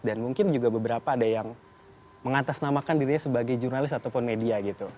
dan mungkin juga beberapa ada yang mengatasnamakan dirinya sebagai jurnalis ataupun media gitu